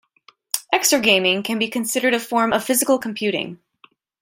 Exergaming can be considered a form of physical computing.